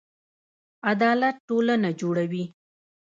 عدالت ټولنه جوړوي